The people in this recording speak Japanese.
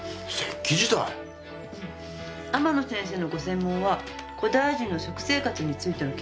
天野先生のご専門は古代人の食生活についての研究なの。